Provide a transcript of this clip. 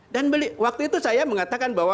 dan waktu itu saya mengatakan